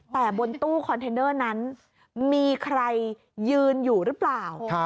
แต่บนตู้คอนเทนเนอร์นั้นมีใครยืนอยู่หรือเปล่า